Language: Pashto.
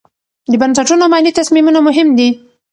د بنسټونو مالي تصمیمونه مهم دي.